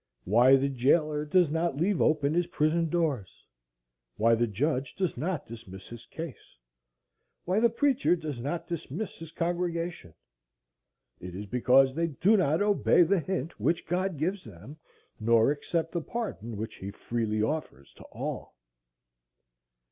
Why the jailer does not leave open his prison doors,—why the judge does not dismis his case,—why the preacher does not dismiss his congregation! It is because they do not obey the hint which God gives them, nor accept the pardon which he freely offers to all.